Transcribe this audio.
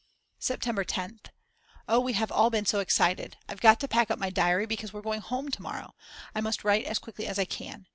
September 10th. Oh we have all been so excited. I've got to pack up my diary because we're going home to morrow. I must write as quickly as I can.